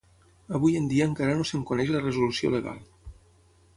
Avui en dia encara no se'n coneix la resolució legal.